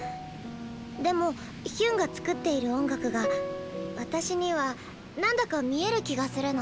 でもヒュンが作っている音楽が私には何だか見える気がするの。